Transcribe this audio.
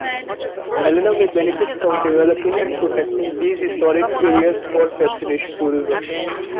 Helena may benefit from developing and protecting these historic areas for destination tourism.